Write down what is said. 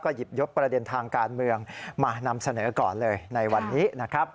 หยิบยกประเด็นทางการเมืองมานำเสนอก่อนเลยในวันนี้นะครับ